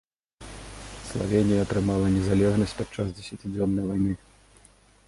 Славенія атрымала незалежнасць падчас дзесяцідзённай вайны.